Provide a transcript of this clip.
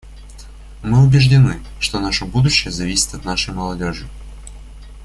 Мы убеждены, что наше будущее зависит от нашей молодежи.